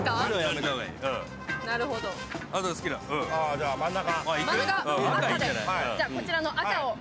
じゃあ、真ん中。